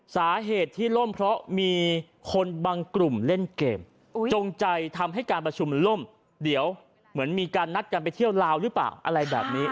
สาเหตุที่ล่มเพราะมีคนบางกลุ่มเล่นเกมจงใจทำให้การประชุมมันล่มเดี๋ยวเหมือนมีการนัดกันไปเที่ยวลาวหรือเปล่าอะไรแบบนี้